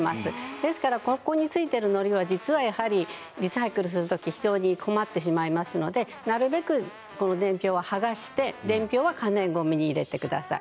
ですから、ここについているのりは実はリサイクルするときに非常に困ってしまいますのでなるべく伝票は剥がして伝票は可燃ごみに入れてください。